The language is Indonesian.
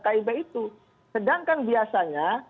kib itu sedangkan biasanya